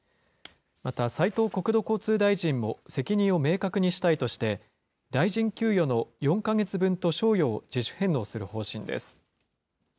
また斉藤国土交通大臣も責任を明確にしたいとして、大臣給与の４か月分と賞与を自主返納する方針です。